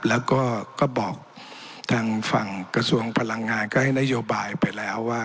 แล้วก็บอกทางฝั่งกระทรวงพลังงานก็ให้นโยบายไปแล้วว่า